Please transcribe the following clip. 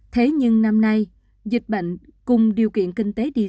chị mai ngậm ngùi